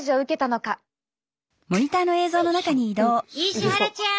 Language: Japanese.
石原ちゃん